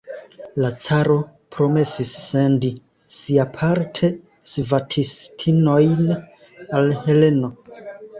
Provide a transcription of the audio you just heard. La caro promesis sendi siaparte svatistinojn al Heleno.